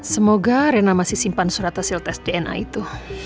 semoga rena masih simpan surat hasil tes dna itu